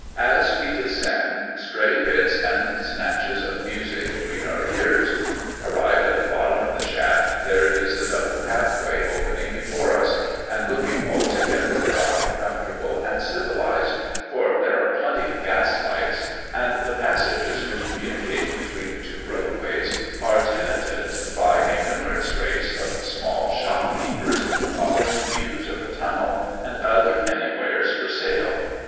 As we descend, stray bits and snatches of music greet our ears. Arrived at the bottom of the shaft, there is the double pathway opening before us, and looking altogether dry, comfortable, and civilised, for there are plenty of gas lights; and the passages which communicate between the two roadways, are tenanted by a numerous race of small shop keepers, offering views of the tunnel, and other penny wares for sale.